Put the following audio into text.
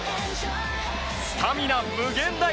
スタミナ無限大！